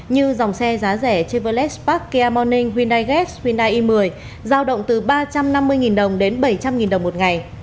như dòng xe giá rẻ chevrolet spark kia morning hyundai gx hyundai i một mươi giao động từ ba trăm năm mươi đồng đến bảy trăm linh đồng một ngày